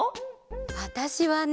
わたしはね